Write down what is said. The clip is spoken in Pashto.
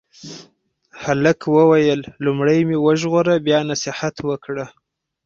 هلک وویل لومړی مې وژغوره بیا نصیحت وکړه.